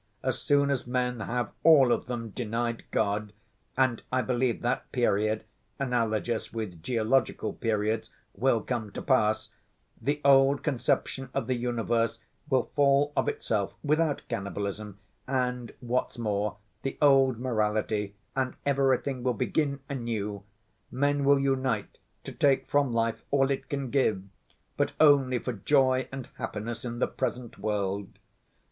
As soon as men have all of them denied God—and I believe that period, analogous with geological periods, will come to pass—the old conception of the universe will fall of itself without cannibalism, and, what's more, the old morality, and everything will begin anew. Men will unite to take from life all it can give, but only for joy and happiness in the present world.